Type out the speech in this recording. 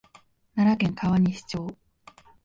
奈良県川西町